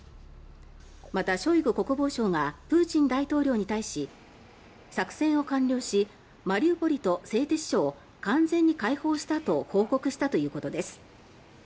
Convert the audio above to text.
また、ショイグ国防相がプーチン大統領に対し作戦を完了しマリウポリと製鉄所を完全に解放したと報告したということです。